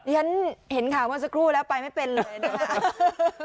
ฉะนั้นเห็นข่าวมันสักครู่แล้วไปไม่เป็นเลยนะ